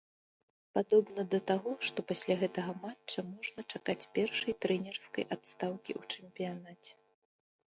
Падобна да таго, што пасля гэтага матча можна чакаць першай трэнерскай адстаўкі ў чэмпіянаце.